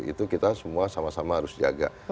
itu kita semua sama sama harus jaga